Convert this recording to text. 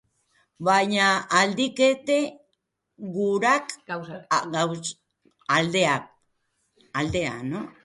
Baina baliteke gauzak aldatzea.